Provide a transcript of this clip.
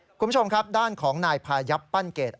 คุณผู้ชมครับด้านของนายพายับปั้นเกต